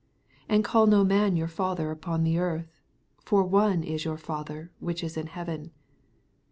9 And call no man your father upon the earth : for one is your Fa ther, which is in heaven.